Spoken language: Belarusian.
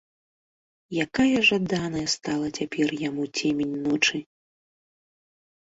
Якая жаданая стала цяпер яму цемень ночы!